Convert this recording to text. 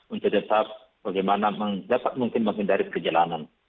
untuk tetap bagaimana dapat mungkin menghindari perjalanan